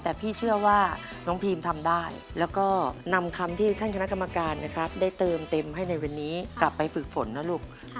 แต่พี่เชื่อว่าน้องพีมทำได้แล้วก็นำคำที่ท่านคณะกรรมการนะครับได้เติมเต็มให้ในวันนี้กลับไปฝึกฝนนะลูก